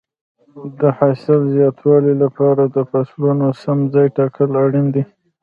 د حاصل د زیاتوالي لپاره د فصلونو سم ځای ټاکل اړین دي.